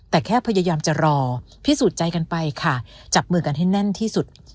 แต่แค่พยายามจะรอพิสูจน์ใจกันไปค่ะจับมือกันให้แน่นที่สุด